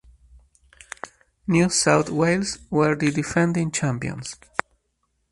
New South Wales were the defending champions.